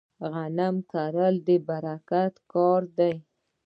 غنم کرل د برکت کار دی.